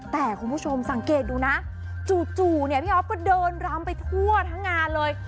แต่คุณผู้ชมสังเกตดูนะจู่เนี่ยพี่อ๊อฟก็เดินรำไปทั่วทั้งงานเลย